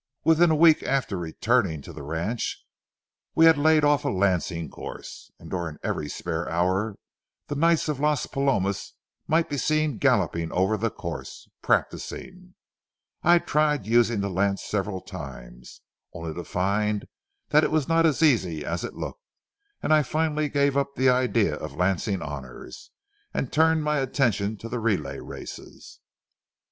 Within a week after returning to the ranch, we laid off a lancing course, and during every spare hour the knights of Las Palomas might be seen galloping over the course, practicing. I tried using the lance several times, only to find that it was not as easy as it looked, and I finally gave up the idea of lancing honors, and turned my attention to the relay races.